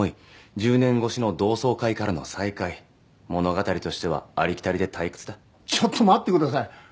１０年越しの同窓会からの再会物語としてはありきたりで退屈だちょっと待ってください